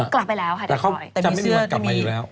กลับไปแล้วค่ะเดี๋ยวต่อย